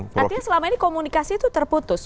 artinya selama ini komunikasi itu terputus